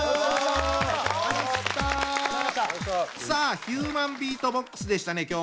さあヒューマンビートボックスでしたね